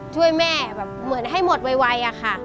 ช่วยแม่เหมือนให้หมดไวค่ะ